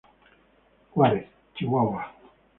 Juárez, Chihuahua.